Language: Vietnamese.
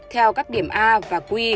theo các điểm a và q